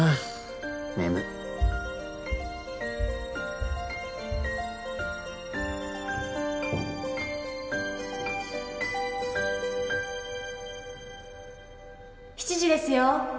眠い７時ですよ